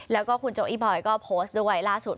แล้วก็คุณโจอี้บอยก็โพสต์ด้วยล่าสุด